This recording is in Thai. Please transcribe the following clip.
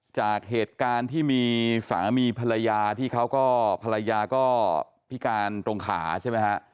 จากเหตุการณ์ที่มีสามีภรรยาที่เขาก็ภรรยาก็พิการตรงขาใช่ไหมฮะ